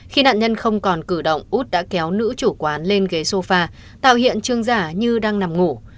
khi nạn nhân không còn cử động út đã kéo nữ chủ quán lên ghế sofa tạo hiện trương giả như đang nằm ngủ